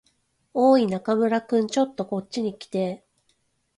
おーい、中村君。ちょっとこっちに来て。